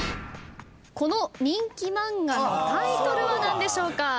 この人気漫画のタイトルは何でしょうか？